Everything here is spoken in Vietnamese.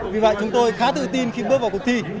vì vậy chúng tôi khá tự tin khi bước vào cuộc thi